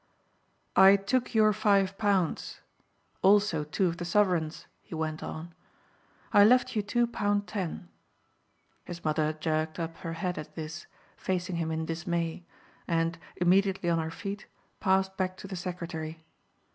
"I took your five pounds. Also two of the sovereigns," he went on. "I left you two pound ten." His mother jerked up her head at this, facing him in dismay, and, immediately on her feet, passed back to the secretary.